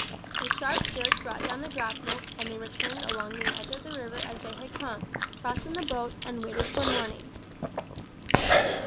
A sharp jerk brought down the grapnel, and they returned along the edge of the river as they had come, crossed in the boat, and waited for morning.